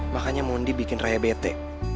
makanya mondi bikin raya bete